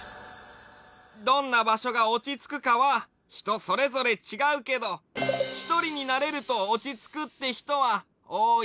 どんなばしょがおちつくかはひとそれぞれちがうけどひとりになれるとおちつくってひとはおおいよね。